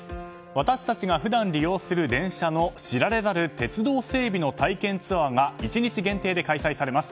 私たちが普段利用する電車の知られざる鉄道整備の体験ツアーが１日限定で開催されます。